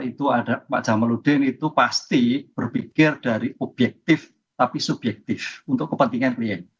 itu ada pak jamaludin itu pasti berpikir dari objektif tapi subjektif untuk kepentingan beliau